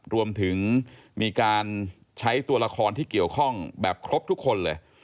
รวมถึงมีการใช้ตัวละครที่เกี่ยวข้องแบบครบทุกคนเลย